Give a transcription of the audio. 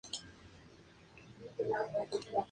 Se distribuyen en el Atlántico sudoccidental: Brasil.